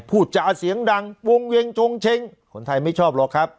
พูดจาเสียงดังวงเวงจงเช้งคนไทยไม่ชอบหรอกครับ